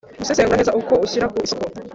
gusesengura neza uko Ushyira ku isoko